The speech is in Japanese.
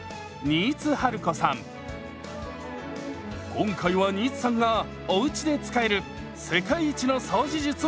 今回は新津さんがおうちで使える世界一の掃除術を伝授します！